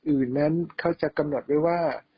อื่นนั้นเขาจะกำหนดไว้ว่า